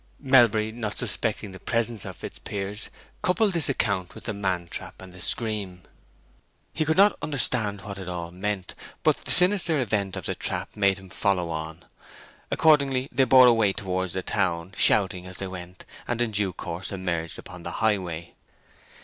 Melbury, not suspecting the presence of Fitzpiers, coupled this account with the man trap and the scream; he could not understand what it all meant; but the sinister event of the trap made him follow on. Accordingly, they bore away towards the town, shouting as they went, and in due course emerged upon the highway.